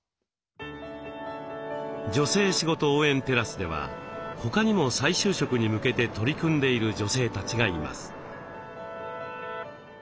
女性しごと応援テラスでは他にも再就職に向けて取り組んでいる女性たちがいます。